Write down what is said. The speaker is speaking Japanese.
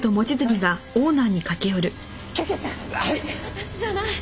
私じゃない。